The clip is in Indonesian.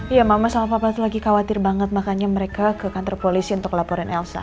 iya mama sama papa itu lagi khawatir banget makanya mereka ke kantor polisi untuk laporin elsa